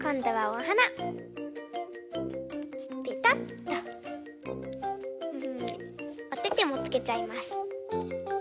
おててもつけちゃいます。